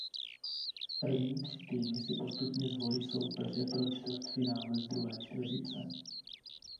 První tři týmy si postupně zvolí soupeře pro čtvrtfinále z druhé čtveřice.